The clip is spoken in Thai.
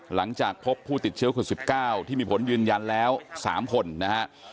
หลังจากพบผู้ติดเชื้อคน๑๙ที่มีผลยืนยันแล้ว๓คนนะฮะ